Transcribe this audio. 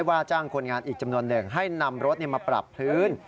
ว่าจ้างคนงานอีกจำนวนหนึ่งให้นำรถมาปรับพื้น